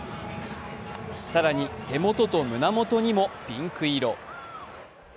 更に手元と胸元にもピンク色。